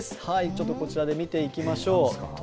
ちょっとこちらで見ていきましょう。